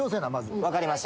分かりました。